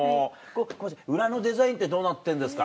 ごめんなさい裏のデザインってどうなってんですか？